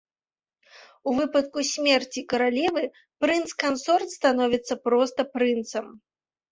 У выпадку смерці каралевы прынц-кансорт становіцца проста прынцам.